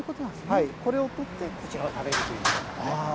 これを取って、こちらを食べるということなんですね。